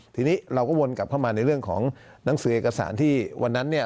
ทีนี้เราก็วนกลับเข้ามาในเรื่องของหนังสือเอกสารที่วันนั้นเนี่ย